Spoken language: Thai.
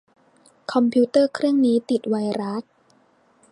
คอมพิวเตอร์เครื่องนี้ติดไวรัส